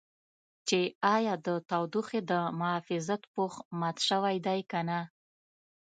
چې ایا د تودوخې د محافظت پوښ مات شوی دی که نه.